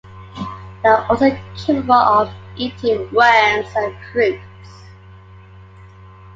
They are also capable of eating worms and fruits.